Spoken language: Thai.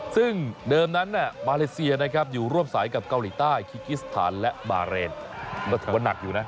ซึ่งเดิมนั้นมาเลเซียนะครับอยู่ร่วมสายกับเกาหลีใต้คิกิสถานและบาเรนก็ถือว่านักอยู่นะ